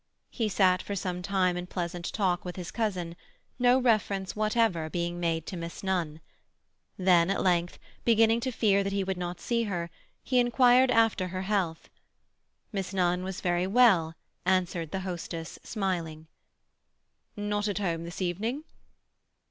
He sat for some time in pleasant talk with his cousin, no reference whatever being made to Miss Nunn; then at length, beginning to fear that he would not see her, he inquired after her health. Miss Nunn was very well, answered the hostess, smiling. "Not at home this evening?"